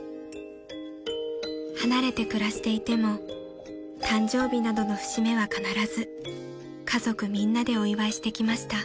［離れて暮らしていても誕生日などの節目は必ず家族みんなでお祝いしてきました］